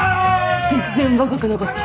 全然若くなかった。